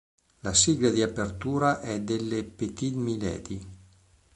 La sigla di apertura è delle petit milady.